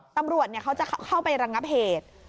ตำรวจเขาจะเข้าไประงับเหตุ